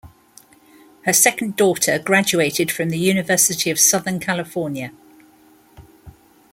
Her second daughter graduated from the University of Southern California.